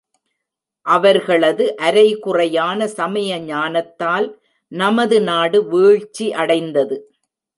அவர்களது அரைகுறையான சமய ஞானத்தால் நமது நாடு வீழ்ச்சி அடைந்தது.